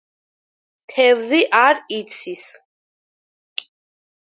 თევზი არ იცის.